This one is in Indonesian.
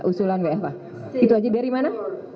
usulan wfh itu aja dari mana